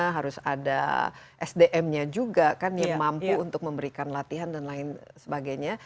harus ada sdm nya juga kan yang mampu untuk memberikan latihan dan lain sebagainya